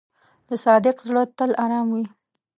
د صادق زړه تل آرام وي.